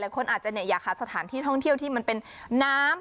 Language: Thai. หลายคนอาจจะเนี่ยอยากครับสถานที่ท่องเที่ยวที่มันเป็นน้ำ